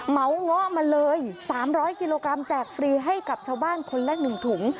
เหมาเงาะมาเลย๓๐๐กิโลกรัมแจกฟรีให้กับชาวบ้านคนละ๑ถุง